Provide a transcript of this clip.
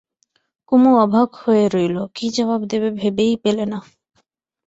কুমু অবাক হয়ে রইল, কী জবাব দেবে ভেবেই পেলে না।